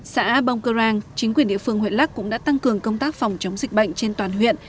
xã bông cơ rang chính quyền địa phương huyện lắc cũng đã tăng cường công tác phòng chống dịch bệnh trên toàn huyện